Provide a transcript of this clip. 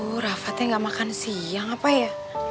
aduh rafa teh gak makan siang apa ya